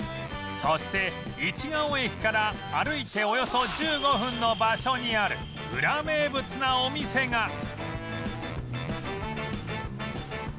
そして市が尾駅から歩いておよそ１５分の場所にあるウラ名物なお店が